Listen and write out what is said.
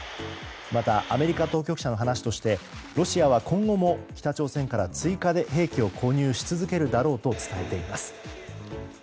また、アメリカ当局者の話としてロシアは今後も北朝鮮から追加で兵器を購入し続けるだろうと伝えています。